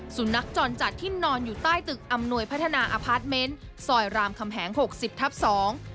สุนัขจรจัดที่นอนอยู่ใต้ตึกอำนวยพัฒนาอพาร์ทเมนต์ซอยรามคำแหงหกสิบทับสอง